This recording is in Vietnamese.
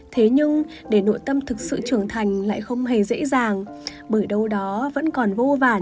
thế nhưng để nội tâm thực sự trưởng thành lại không hề dễ dàng bởi đâu đó vẫn còn vô vàn